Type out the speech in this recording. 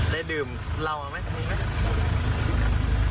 ได้ดื่มเหล่ามาไหม